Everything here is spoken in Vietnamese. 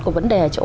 của vấn đề ở chỗ